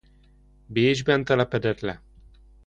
Bécsben telepedett le.